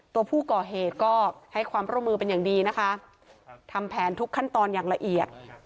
ตัวผู้ก่อเหตุก็ให้ความร่วมมือเป็นอย่างดีนะคะทำแผนทุกขั้นตอนอย่างละเอียด